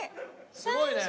すごいね。